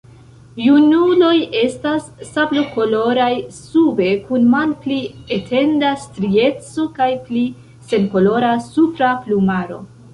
Junuloj estas sablokoloraj sube kun malpli etenda strieco kaj pli senkolora supra plumaro.